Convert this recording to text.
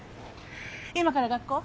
今から学校？